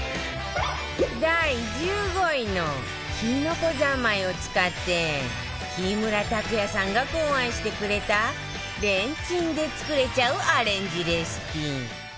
第１５位のきのこ三昧を使って木村拓哉さんが考案してくれたレンチンで作れちゃうアレンジレシピ